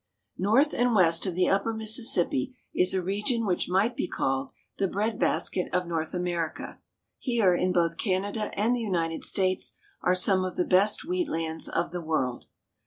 NORTH and west of the upper Mississippi is a region which might be called the " Bread Basket of North America." Here, in both Canada and the United States, are some of the best wheat lands of the world.